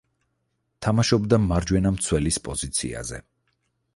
თამაშობდა მარჯვენა მცველის პოზიციაზე.